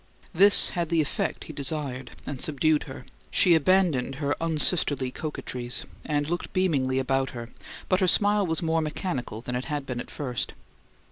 This had the effect he desired, and subdued her; she abandoned her unsisterly coquetries, and looked beamingly about her, but her smile was more mechanical than it had been at first.